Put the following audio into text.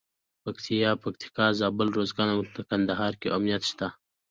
پکتیا، پکتیکا، زابل، روزګان او کندهار کې امنیت شته.